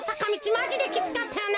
マジできつかったよな。